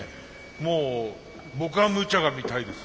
もう僕はむちゃが見たいです。